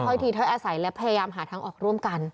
ค่อยทีค่อยแอดใสและพยายามหาทางออกร่วมกัน